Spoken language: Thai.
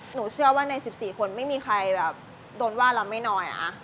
หนูเชื่อว่าใน๑๔คนไม่มีใครแบบโดนว่าเราไม่น้อย